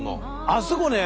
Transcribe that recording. あそこね